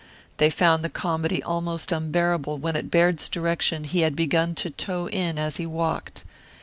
They found the comedy almost unbearable when at Baird's direction he had begun to toe in as he walked.